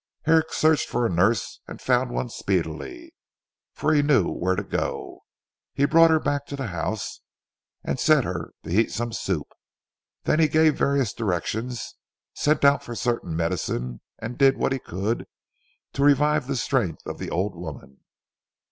Herrick searched for a nurse and found one speedily, for he knew where to go. He brought her back to the house, and set her to heat some soup. Then he gave various directions, sent out for certain medicine, and did what he could to revive the strength of the old woman.